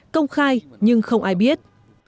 công khai nhưng không ai biết